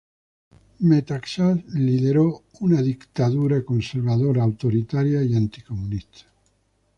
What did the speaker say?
Metaxás lideró un gobierno conservador, autoritario y anticomunista.